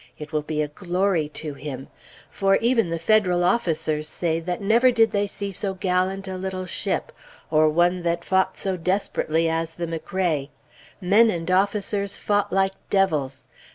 It will be a glory to him. For even the Federal officers say that never did they see so gallant a little ship, or one that fought so desperately as the McRae. Men and officers fought like devils.